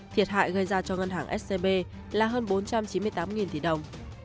thiệt hại gây ra cho ngân hàng scb là hơn bốn trăm chín mươi tám tỷ đồng